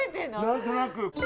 何となく。